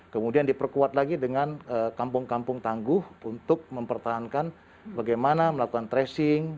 kemudian diperkuat lagi dengan kampung kampung tangguh untuk mempertahankan bagaimana melakukan tracing